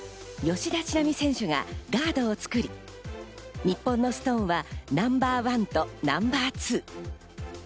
吉田知那美選手がガードを作り、日本のストーンはナンバー１とナンバー２。